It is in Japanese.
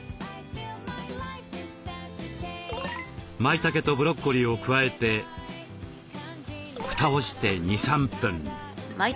まいたけとブロッコリーを加えてふたをして２３分。